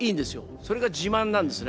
それが自慢なんですね。